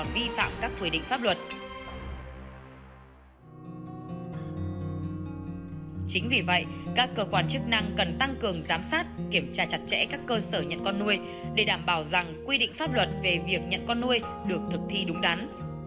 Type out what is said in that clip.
chính vì vậy các cơ quan chức năng cần tăng cường giám sát kiểm tra chặt chẽ các cơ sở nhận con nuôi để đảm bảo rằng quy định pháp luật về việc nhận con nuôi được thực thi đúng đắn